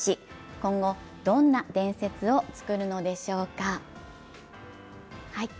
今後、どんな伝説を作るのでしょうか。